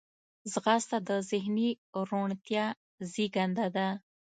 ځغاسته د ذهني روڼتیا زیږنده ده